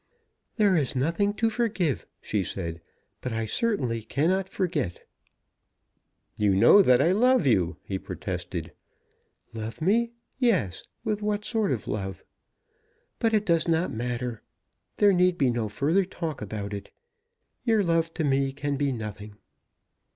"There is nothing to forgive," she said, "but I certainly cannot forget." "You know that I love you," he protested. "Love me; yes, with what sort of love? But it does not matter. There need be no further talk about it. Your love to me can be nothing."